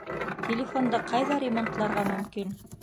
Телефонды ҡайҙа ремонтларға мөмкин?